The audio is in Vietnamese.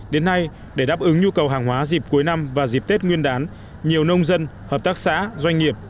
đến nay để đáp ứng nhu cầu hàng hóa dịp cuối năm và dịp tết nguyên đán nhiều nông dân hợp tác xã doanh nghiệp